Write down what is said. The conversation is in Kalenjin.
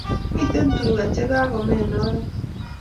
Miten tuka che kakome en oret .